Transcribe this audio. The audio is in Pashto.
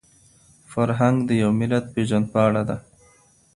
فرهنګ د يو ملت پېژندپاڼه ده.